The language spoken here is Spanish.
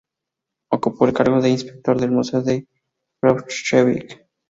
Ocupó el cargo de Inspector del Museo de Braunschweig.